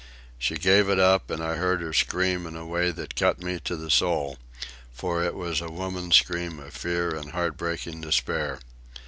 She gave it up, and I heard her scream in a way that cut me to the soul, for it was a woman's scream of fear and heart breaking despair.